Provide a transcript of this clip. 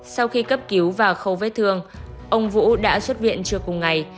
sau khi cấp cứu và khâu vết thương ông vũ đã xuất viện trưa cùng ngày